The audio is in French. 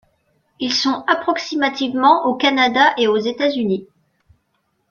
Ils sont approximativement au Canada et aux États-Unis.